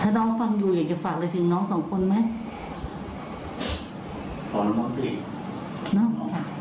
ถ้าน้องฟังอยู่อยากจะฝากอะไรถึงน้องสองคนไหม